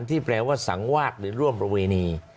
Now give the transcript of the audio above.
ที่แปลว่าสังวาดหรือร่วมประเวณี